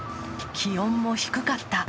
気温も低かった。